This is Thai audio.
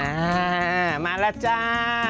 อ่ามาแล้วจ้า